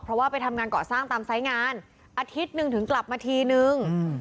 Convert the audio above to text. เพราะว่าไปทำงานเกาะสร้างตามไซส์งานอาทิตย์หนึ่งถึงกลับมาทีนึง